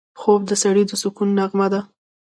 خوب د سړي د سکون نغمه ده